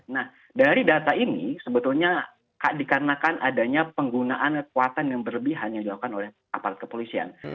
nah dari data ini sebetulnya dikarenakan adanya penggunaan kekuatan yang berlebihan yang dilakukan oleh aparat kepolisian